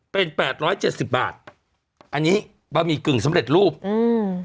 เป็นแปดร้อยเจ็ดสิบบาทอันนี้บะหมี่กึ่งสำเร็จรูปอืม